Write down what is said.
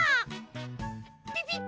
ピピッ！